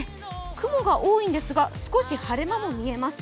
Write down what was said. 雲が多いんですが、少し晴れ間も見えます。